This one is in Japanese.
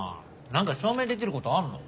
何か証明できることあんの？